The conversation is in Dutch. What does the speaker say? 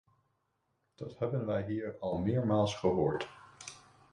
Dat hebben wij hier al meermaals gehoord.